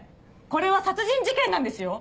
これは殺人事件なんですよ！